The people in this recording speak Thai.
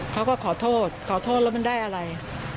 เขาก็ขอโทษขอโทษแล้วมันได้อะไร